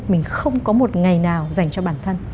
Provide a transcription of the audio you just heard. mình không có một ngày nào dành cho bản thân